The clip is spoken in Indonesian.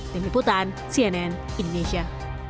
demi putan cnn indonesia